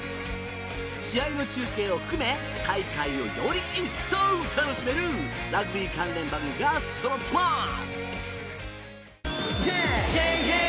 試合の中継を含め大会をより一層楽しめるラグビー関連番組がそろってます。